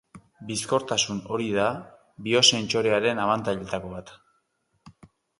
Bizkortasun hori da biosentsorearen abantailetako bat.